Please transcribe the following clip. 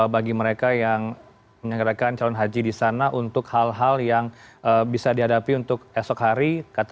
bagi mereka yang menyengkerjakan calon haji di sana untuk hal hal yang bisa dihadapi untuk esok hari